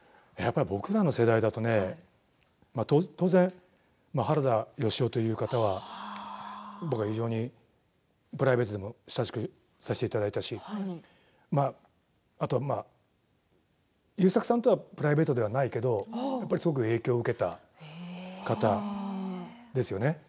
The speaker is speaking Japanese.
僕らの世代だと当然原田芳雄という方は僕は非常にプライベートでも親しくさせていただいたしあとは優作さんとはプライベートではないけど影響を受けた方です。